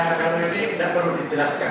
ya kalau ini tidak perlu dijelaskan ya